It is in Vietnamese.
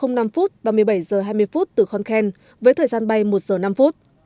chín h năm và một mươi bảy h hai mươi từ khon khen với thời gian bay một h năm